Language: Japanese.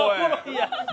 いや